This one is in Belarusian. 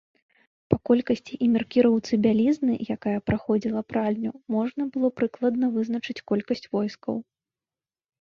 Па колькасці і маркіроўцы бялізны, якая праходзіла пральню, можна было прыкладна вызначыць колькасць войскаў.